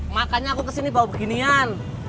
makanya aku kesini bawa beginian